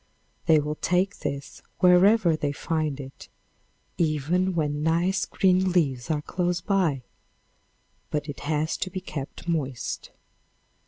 They will take this wherever they find it, even when nice green leaves are close by, but it has to be kept moist.